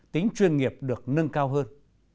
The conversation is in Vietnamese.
tính chuyên nghiệp được nâng cao hơn